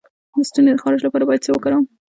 د ستوني د خارش لپاره باید څه وکاروم؟